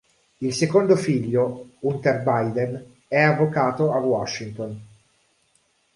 Il secondo figlio, Hunter Biden, è avvocato a Washington.